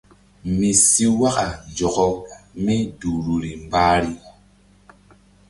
Mi si waka nzɔkɔ mí duhruri mbahri.